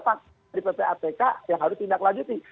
faktor di ppatk yang harus tindak lanjuti